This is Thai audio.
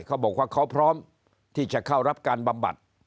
เขาบอกว่าเขาพร้อมที่จะเข้ารับการบำบัด